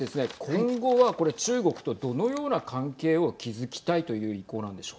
今後は中国とどのような関係を築きたいというはい。